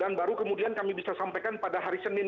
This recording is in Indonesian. dan baru kemudian kami bisa sampaikan pada hari senin